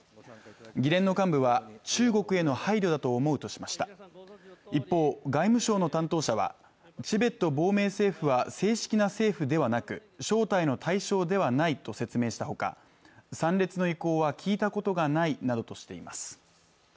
議連の幹部は中国への配慮だと思うとしました一方外務省の担当者はチベット亡命政府は正式な政府ではなく招待の対象ではないと説明したほか参列の意向は聞いたことがないなどとしています